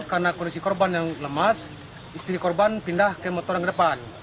karena kondisi korban yang lemas istri korban pindah ke motor yang depan